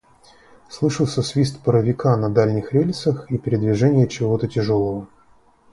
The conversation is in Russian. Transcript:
Слышался свист паровика на дальних рельсах и передвижение чего-то тяжелого.